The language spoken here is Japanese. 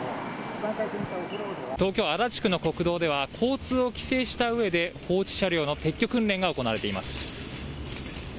東京足立区の国道では交通を規制したうえで放置車両の撤去訓練が行われています。